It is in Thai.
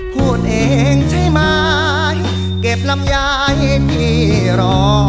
พูดเองใช่ไหมเก็บลำไยพี่รอ